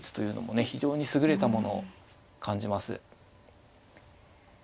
非常に優れたもの感じます。